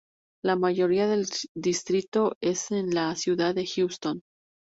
La mayoría del distrito es en la Ciudad de Houston.